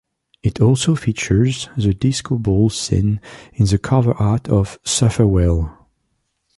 It also features the disco ball seen in the cover art of "Suffer Well".